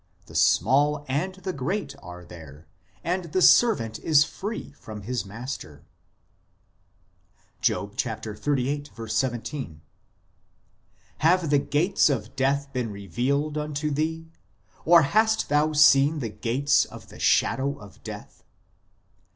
The small and the great are there ; and the servant is free from his master." 2 Job xxxviii. 17 :" Have the gates of death been revealed unto thee ? Or hast thou seen the gates of the shadow of death